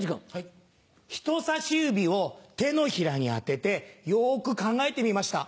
人さし指を手のひらに当ててよく考えてみました。